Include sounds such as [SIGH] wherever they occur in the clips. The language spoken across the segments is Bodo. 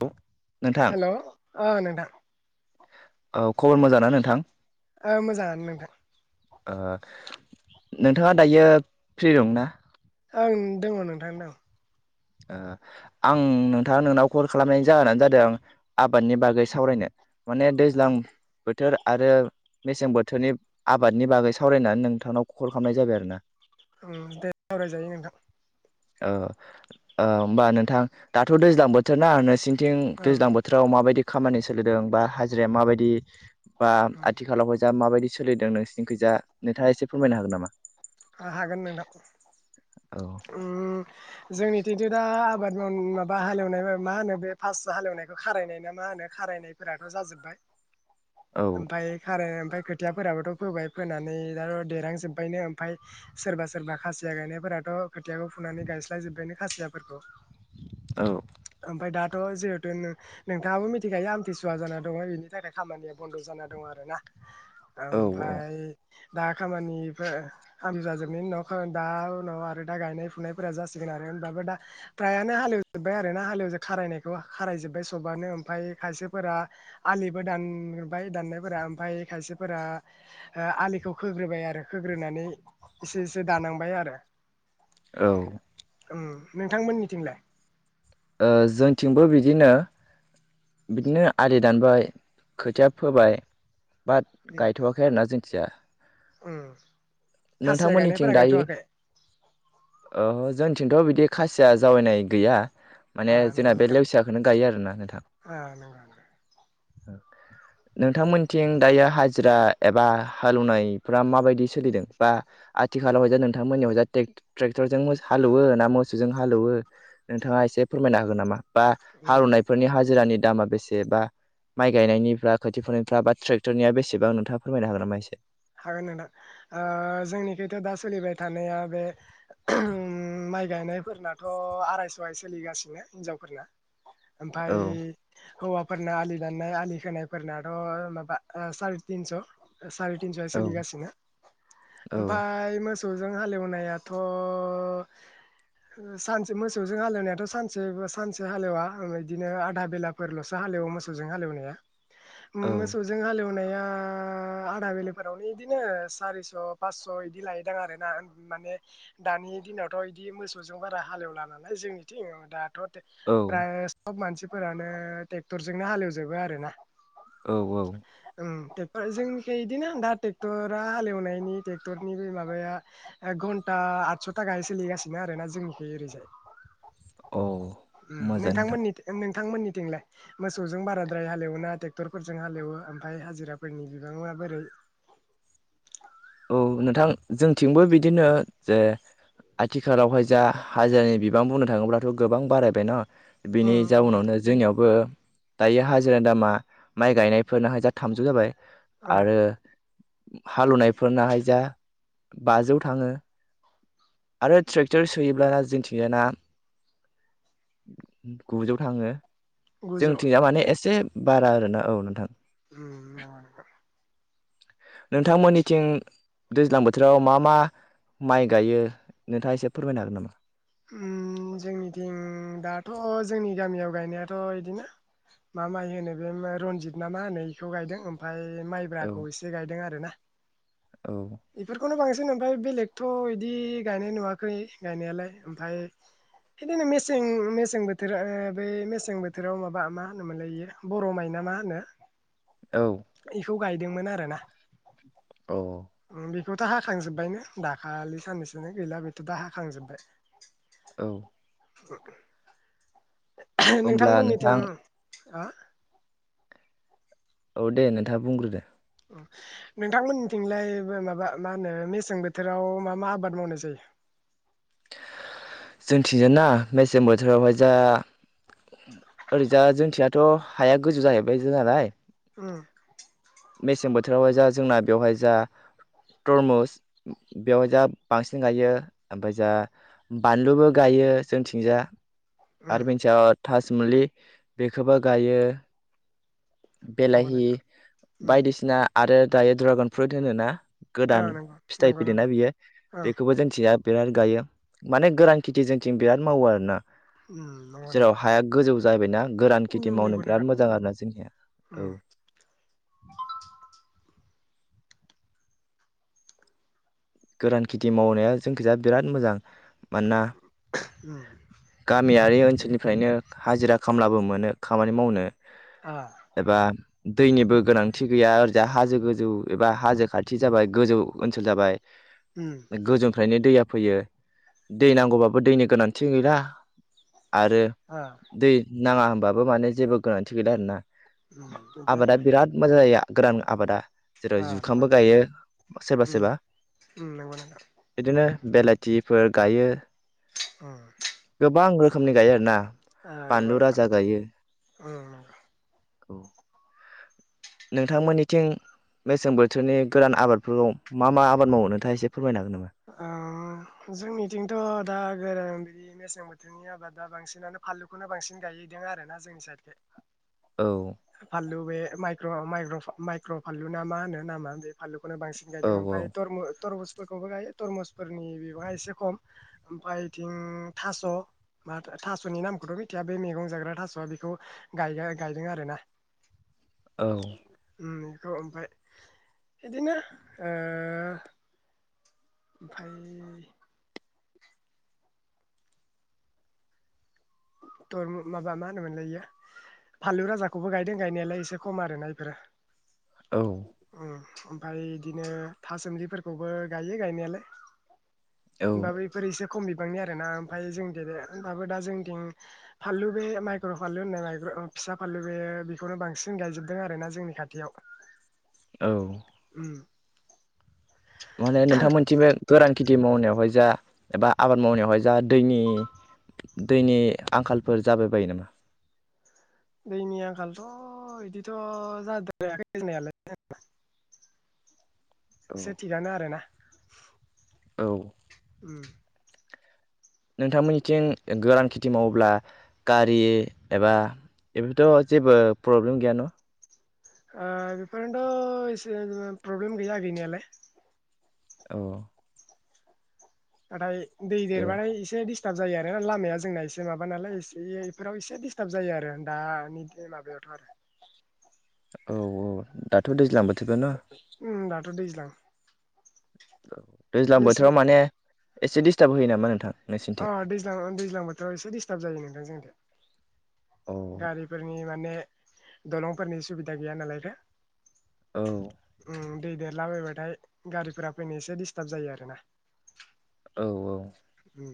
औ। नोंथां हेल' अ नोंथां औ खबर मोजां ना नोंथां? ओ मोजाङानो नोंथां। ओ नोंथाङा दायो फ्रि दंना? ओं दङ नोंथां दं। ओ आं नोंथाङा नोंनाव कल खालामनायनि जाहोनानो जादों आबादनि बागै सावरायनो माने दैज्लां बो थोर आरो मेसें बोथोरनि आबादनि बागै सावरायनानै नोंथांनाव खल खालामनाय जाबाय आरो ना उम दे आरायजायो नोंथां ओ। औ होमबा नोंथां दाथ' दैज्लां बोथोर ना नोंसि थिं ओं दैज्लां बोथोराव माबायदि खामानि सोलिदों बा हाजिराया माबायदि बा ओम आथिखालावहाय जा माबायदि? सोलिदों नोंसोरनिखैजा नोंथाङा एसे फोरमायनो हागोन नामा? हा हागोन नोंथां औ उम जोंनिथिंथि दा आबाद माव-माबा हालेवनो नो मा होनो बे फास हालेवनायखौ खारायनाय ना मा होनो खारायनायफोराथ जाजोब्बाय। औ ओमफाय खारो ओमफाय खोथियाफोराबोथ फोबाय फोनानै दाना देरहांजोबबायनो ओमफाय सोरबा सोरबा खासिया गायनायफोराथ खोथियाखौ फुनानै गायस्लायजोबायनो खासियाफोरखौ। औ ओमफाय दा थ जिहेथु नो नोंथाङाबो मिथिखायो आमथिसुवा जाना दङ बेनि थाखाय खामानिया बन्द जाना दं आरो ना। औ औ ओमफाय दा खामानिफो हामजा जोबनायनि उनाव खा दा उनाव आरो दा गायनाय फुनायफोरा जासिगोन आरो होनबाबो दा फ्रायानो हालेवजोबबाय आरो ना हालेवजो थारायनायखौ खारायजोबबाय सबानो ओमफाय खायसेफोरा आलिबो दानबाय दाननायफोरा ओमफाय खायसेफोरा हा आलिखौ खोग्रोबाय आरो खोग्रोनानै एसे एसे दानहांबाय आरो औ नोंथांमोननिथिंलाय ओ जोंथिंबो बिदिनो बिदिनो आलि दानबाय खोथिया फोबाय। बाट गायथयाखै आरोना जों थिया ओं नोंथांमोननिथिं दायो ओहो जोंथिंथ बिदि खासिया जावैनाय गैया माने ओ नंगौ जोंना बे नोंथां लेवसियाखौनो गायो आरोना नोंथां। ओ नंगौ नंगौ नोंथांमोनथिं दायो हाजिरा एबा हालेवनायफ्रा माबायदि सोलिदों? बा आथिखालाव जे नोंथांमोननियावजा टेक-ट्रेक्टरजों मोस हालौवो ना मोसौजों हालौवो नोंथाङा एसे फोरमायना होगोन नामा? बा उम हालौनायफोरनि हाजिरानि दामा बेसे बा माइ गायनायनिफ्रा खोथिफोनायफ्रा बा ट्रेक्टरनिया बेसेबां नोंथाङा फोरमायनो हागोन नामा एसे? हागोन नोंथां ओ जोंनिखैथ दा सोलिबाय थानाया बे ओ माइ गायनायफोरनाथ आरायसयानो सोलिगासिनो हिनजावफोरना। ओमफाय औ हौवा फोरना आलि दाननाय आलि खोनायफोरनाथ माबा साराय तिनस सार - थिनस औ सोलिगासिनो औ ओमफाय मोस सौजों हालेवनायाथ सानसे मोसौजों हालेवनायाथ सानसे सानसे हालेवा ओ बिदिनो आधा बेलाफोरलसो हालेवो मोसौजों हालेवनाया। उम औ मोसौजों हालेव नाया आदा बेलाव फोरावनो बिदिनो सारिस फासस बिदि लायोदां आरोना माने दानि दिनावथ बिदि मोसौजों बारा हालेवला नालाय जोंनिथिं दाथ'। औ फ्रा सब मानसि फोरानो ट्रेक्टरजोंनो हालेवजोबो आरो ना। औ औ बेफोर जोंनिख बिदिनो दा ट्रेक्टरा हालेवनायनि ट्रेक्टरनि बे माबाया घन्टा आदस' थाखायै सोलिगासिनो आरो जोंनिखै ओरैजाय औ ओम मोजा नोंथां नोंथांमोननि थिंलाय मोसौजों बाराद्राय हालेवोना ट्रेक्टरफोरजों हालेवो ओमफ्राय हाजिराफोरनि बिबाङा बोरै औ नोंथां जोंथिंबो बिदिनो जे आथिखालाव हाय जा हाजिरानि बिबां बुंनो थाङोब्लाथ' गोबां बारायबाय ना बेनि उम नंगौ नोंथां जाउनावनो जोंनियावबो दायो हाजिरानि दामा माइ गायनायफोरना हाय थामजौ जाबाय ओ आरो हालुनाय फोरना हायजा बाजौ थाङो आरो ट्रेक्टर सोयोब्ला ना जिथिंजाना गुजौ थाङो गुजौ जोंनिथिं जाय माने एसे बारा आरोना औ नोंथां उम नं खौ नोंथां नोंथांमोननिथिं दैज्लां बोथोराव मा मा माइ गायो नोंथाङा एसे फोरमायनो हागोन नामा? ओम जोंनिथिं दाथ' जोंनि गामियाव गायनायाथ' बिदिनो मा माइ होनो बे रनजित ना माहोनो बेखौ गायदों ओमफ्राय बे औ माइब्राखौ एसे गायदों आरो ना औ बेफोरखौ बांसिन ओमफ्राय बेलेगथ' इदि गायनाय नुवाखै गायनायालाय ओमफाय बिदिनो मेसें मेसें ओ बोथोराव बे ओ मेसें बोथोराव माबा मा होनोमोनलाययो बर' माइना मा होनो औ बेखौ गायदोंमोन आरो ना औ ओ बेखौथ' हाखांजोबबायनो दाखालि साननैसोनो गैला बेथ' दा हाखांजोबबाय औ [UNINTELLIGIBLE] होमब्ला नोंथांमोननिथिं नोंथां हा औ दे नोंथाङा बुंग्रोदो नोंथांमोननिथिंलाय माबा मा होनो मेसें बोथोराव मा मा आबाद मावनाय जायो जोंथिंजाय ना मेसें बोथोरावहाय जा ओरैजा जोंथिंयाथ' हाया गोजौ जाहैबाय जों नालाय ओ मेसें बोथोरावहाय जा जोंना बेवहाय जा तरमुस बेवहाय जा बांसिन गायो ओमफाय जा बानलुबो गायो जोंथिंजा आरो उम बे ताजमुलि बेखौबो गायो नंगौ बेलाहि नोंथां उम बायदि सिना आरो दायो ड्रागन फ्रुइट होनो ना ओ गोदान नंगौ फिथाइ नंगौ फैदों ना नोंथां बियो ओं बेखौबो जोंथिंजा बिराद गायो मानि गोरान खेथि जोंनिथिं बिराद मावो आरोना ओम नङा नोंथां जायबायना [UNINTELLIGIBLE] गोरान खेथि उम मावनो नंगौ बिराद नोंथां मोजां आरोना जोंनिया औ उम गोरान खेथि मावनाया जोंनिखैजा बिराद मोजां मानोना उम गामियारि ओनसोलनिफ्रायनो हाजिरा खामलाबो मोनो खामानि मावनो आ एबा दैनिबो गोनांथि गैया ओरैजा हाजो गोजौ एबा हाजो खाथि जाबाय गोजौ ओनसोल जाबाय उम गोजौनिफ्रायनो दैया फैयो दै नांगौबाबो दैनि गोनांथि गैला आरो आ दै नाङा होनबाबो माने जेबो गोनांथि गैला आरोना उम बिदि आबादा आरोना बिराद मोजां जायो गोरान आबादा जेराव आ नंगौ जुखामबो गायो सोरबा सोरबा ओम नंगौ नोंथां बिदिनो बेलाथिफोर गायो गोबां रोखोमनि रोखोमनि गायो आरोना ओम नंगौ बानलु नोंथां राजा गायो ओम नंगौ औ नोंथांमोननिथिं मेसें बोथोरनि गोरान आबादफोरखौ मा मा आबाद मावो थाइसे ओम जोंनिथिंथ' दा गोरान बिदि मेसें बोथोरनि बोथोरनि आबादा बांसिनानो फानलुखौनो बांसिन गायदों आरो ना जोंनि साइडथिं औ फानलु बे माइक्र माइक्र माइक्र' फानलु ना मा होनो नामा बे फानलु नो बांसिन औ गायदों औ ओमफ्राय तरमुज फोरखौबो गायो तरमुसफोरनि बेवहाय एसे खम ओमफ्राय इथिं थास' म थास'नि नामखौथ' मिथिया बे मैगं जाग्रा थास'आ बेखौ गायदों गायो आरो ना औ ओम बे ओमफ्राय बिदिनो ओ ओमफ्राय थर माबा मा होनोमोनलाय बेयो फानलु राजाखौबो गायदों गायनायालाय एसे खम आरोना इफोरो औ उम ओमफ्राय बिदिनो थासुमलिफोरखौबो गायो गायनायालाय औ होनबाबो एफोर एसे खम बिबांनि आरोना ओमफ्राय जों देरो होनबाबो दा जोंनिथिं फानलु बे माइक्र' फानलु होननाय माइक्र फिसा फानलु बेयो बेखौनो बांसिन गायजोबदों आरोना जोंनि खाथियाव। औ उम माने नोंथांमोनथिं बे गोरान खेथि मावनायावहाय जा एबा आबाद मावनायावहाय जा दैनि दैनि आंखालफोर जाबाय बायो नामा? दैनि आंखालथ' बिदिथ' जाद्रायाखै जोंनायालाय जेनेबा। औ एसे थिगानो आरो ना औ उम नोंथांमोननिथिं गोरान खेथि मावोब्ला गारि एबा बेफोरथ' जेबो प्रब्लेम गैया न? ओ बेफोरनोथ' एसे प्रब्लेम गैया गैनायालाय। औ नाथाय दै जेराव देरबाथाय एसे दि स्टार्ब जायो आरो ना लामाया जोंना एसे माबा नालाय एसे बेफोराव एसे डिस्टार्ब जायो आरो दानि माबायावथ' आरो। औ औ दाथ' दैज्लां बो उम दाथ' दैज्लां [INAUDIBLE] दैज्लां मेसें बोथोराव माने एसे डस्टार्ब होयो नामा नोंथां अ नोंसिनिथिं? दैज्लां अ दैज्लां बोथोराव एसे दिस्टार्ब जायो नोंथां जों औ गारिफोरनि माने दलंफोरनि सुबिदा गैया नालाय रो औ ओम दै देरलाबायबाथाय गारिफोरा फैनो एसे डिस्टार्ब जायो आरोना। औ औ उम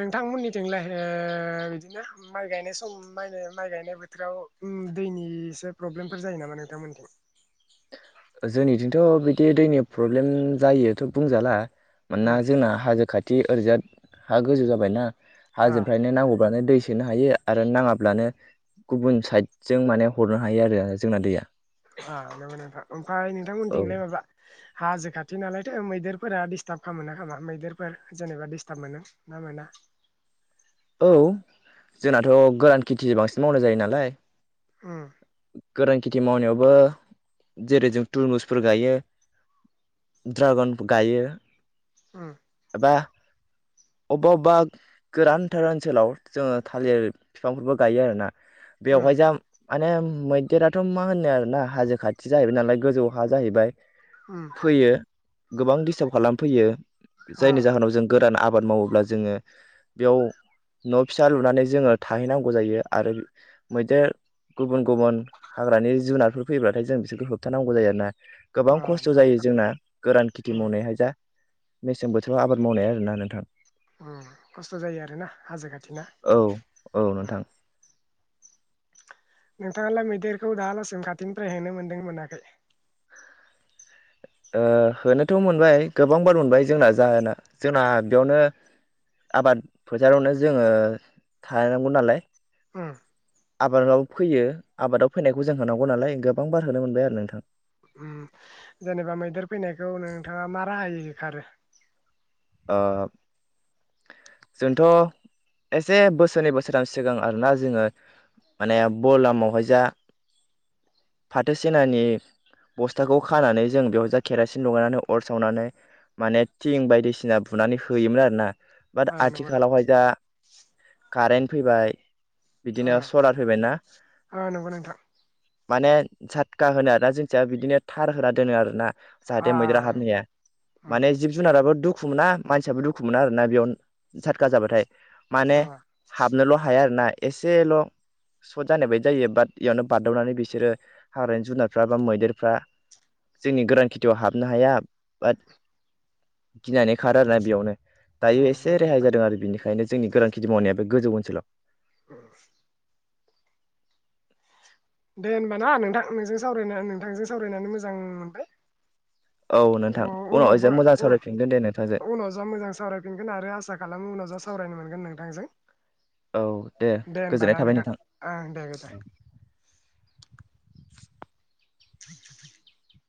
नोंथांमोननिथिंलाय ओ बिदिनो माइ गायनाय सम मा होनो माइ गायनाय बोथोराव ओम दैनि एसे प्रब्लेमफोर जायो नामा नोंथांमोननिथिं। ओ जोंनिथिंथ' बिदि दैनि प्रब्लेम जायोथ' बुंजाला मानोना उम जोंना हाजो खा थि ओरैजा हा गोजौ जाबायना आ हाजोनिफ्रायनो नांगौबानो दै सोनो हायो आरो नाङाब्लानो गुबुन साइजों माने हरनो हायो आरो जोंना दैया। आ नोंगौ नोथां ओमफ्राय औ नोंथांमोनथिंलाय माबा हाजो खाथि नालाय मैदेरफोरा डिस्टार्ब खालामो ना खामा मैदेरफोर जेनेबा डिस्टार्ब मोनो ना मोना औ जोंनाथ' गोरान खेथिजों बांसिन मावनाय जायो नालाय उम। गोरान खेथि मावनायावबो जेरै- जों तुरमुसफोर गायो ड्रागन गायो। उम। बा अबेबा अबेबा गोरानथार ओनसोलाव जोङो थालिर बिफांफोरबो गायो आरोना। उम बेवहाय जा माने मैदेराथ' मा होनो आरोना हाजो खाथि जाहैबाय नालाय गोजौ हा जाहैबाय। उम फैयो। गोबां डिस्टार्ब खालामफैयो। अ जायनि जाहोनाव जों गोरान आ बाद मावोब्ला जोङो बेयाव न' फिसा लुनानै जोङो थाहैनांगौ जायो आरो मैदेर गुबुन-गुबुन हाग्रानि जुनारफोर फैब्लाथाय जों बिसोरखौ होबथानांगौ जायो आरो ना। अ गोबां खस्थ' नंगौ जायो नोंथां जोंना गोरान खेथि उम मावनायहाय दा। मेसें बोथोराव आबाद मावनाया आरोना नोंथां। उम खस्थ' जायो आरो ना हाजो खाथिना औ औ उम। नोंथां नोंथाङालाय मैदेरखौ दाहालासिम खाथिनिफ्राय होनो मोनदों मोनाखै? ओ होनोथ' मोनबाय गोबां बार मोनबाय जोंना जाहोना जोंना बेयावनो आबाद फोथारावनो जोङो थानांगौ नालाय। उम। आबादाव फैयो आबादाव फैनायखौ जों होनांगौ नालाय गोबां बार होनो मोनबाय आरो नोंथां। उम जेनेबा मैदेर फैनायखौ नोंथाङा मा राहाय होखारो? ओ जोंथ' एसे बोसोरनै बोसोरथाम सिगां आरोना जोङो माने बलामावहाय जा फाथो सेनानि बस्थाखौ खानानै जों बेयावाय जा केरासिन लगायनानै अर सावनानै माने थिं बायदिसि ना बुनानै होयोमोन आरो ना। बाट ओ नंगौ आथिखालावहाय जा कारेन्ट फैबाय। ओ बिदिनो सलार फैबायना ओ नंगौ नोंथां। माने झाटखा होनो आरोना जोंथिया बिदिनो थार होना दोनो आरो ना। जाहाथे आ मैदेरा हाबनो हाया उम माने जिब जुनाराबो दु खु मोना मानसियाबो दुखु मोना आरोना बेयाव झाटखा जाबाथाय। माने ओ हाबनोल' हाया आरो ना। एसेल' सर्ट जानाय बायदि जायो बाट इयावनो बारदावनानै बिसोरो हाग्रानि जुनारफ्रा बा मैदेरफ्रा जोंनि गोरान खेथियाव हाबनो हाया बाट गिनानै खारो आरोना बेयावनो। दायो उम एसे नंगौ रेहाय नोंथां जादों आरो बिनिखायनो जोंनि गोरां खिथि मावनाया बे गोजौ ओनसोलाव। [UNINTELLIGIBLE] दे होनबा ना नोंथां नोंजों सावराय नोंथांजों सावरायनानै मोजां मोनबाय। औ नोंथां उनाव एसे उनावबो मोजां सावरायफिनगोन दे नोंथांजों उ-उनाव जा मोजां सावरायफिनगोन आरो आसा खालामो उनाव जा स सावरायनो मोनगोन नोंथांजों। औ दे होनबा ना गोजोननाय थाबाय नोंथां। ओं दे दे [UNINTELLIGIBLE] [UNINTELLIGIBLE]